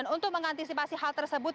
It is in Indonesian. untuk mengantisipasi hal tersebut